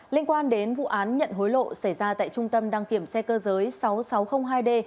liên quan đến vụ án nhận hối lộ xảy ra tại trung tâm đăng kiểm xe cơ giới sáu nghìn sáu trăm linh hai d